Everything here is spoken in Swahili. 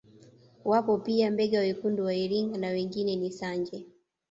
Wapo pia Mbega wekundu wa Iringa na wengine ni Sanje